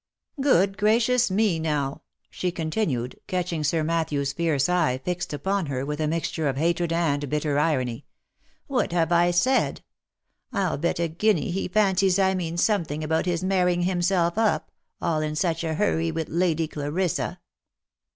Good gracious me, now !" she continued, catching Sir Matthew's fierce eye fixed upon her with a mixture of hatred and bitter irony ;" what have I said !— I'll bet a guinea he fancies I mean something about his mar rying himself up, all in such a hurry with Lady Clarissa."